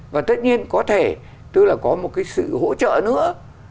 và tất nhiên có thể tức là có một cái sự hỗ trợ nữa